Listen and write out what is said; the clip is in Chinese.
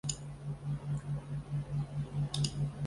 然而德莱尼平静的生活并没有持续很久。